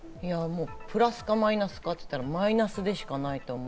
プラスかマイナスかっていったら、マイナスでしかないと思う。